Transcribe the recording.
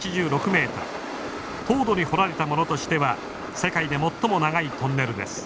凍土に掘られたものとしては世界で最も長いトンネルです。